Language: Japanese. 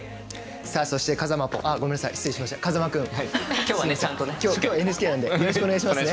そして風間ぽんあ、失礼しました、風間君。今日はＮＨＫなので。よろしくお願いしますね。